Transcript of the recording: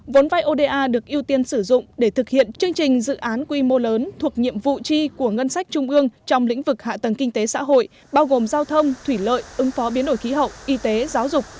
vốn vai oda được ưu tiên sử dụng để thực hiện chương trình dự án quy mô lớn thuộc nhiệm vụ chi của ngân sách trung ương trong lĩnh vực hạ tầng kinh tế xã hội bao gồm giao thông thủy lợi ứng phó biến đổi khí hậu y tế giáo dục